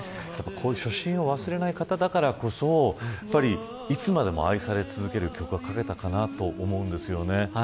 こういう初心を忘れない方だからこそいつまでも愛され続ける曲が書けたかなと思うんですよね。